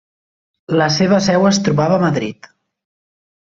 La seva seu es trobava a Madrid.